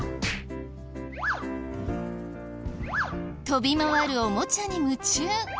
飛び回るおもちゃに夢中。